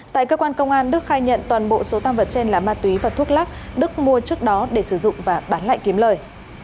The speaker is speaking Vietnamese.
tại cơ quan công an đức khai nhận toàn bộ số tăng vật trên là ma túy và thuốc lắc đức mua trước đó để sử dụng và bán lại kiếm lời